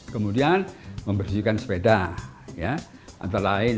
kemudian membersihkan sepeda antara lain